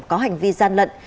có hành vi gian lận